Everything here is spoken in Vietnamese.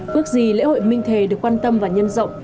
bước di lễ hội minh thề được quan tâm và nhân rộng